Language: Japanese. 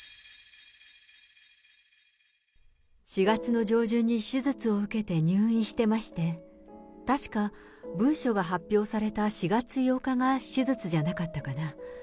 ４月の上旬に手術を受けて入院してまして、確か文書が発表された４月８日が手術じゃなかったかな。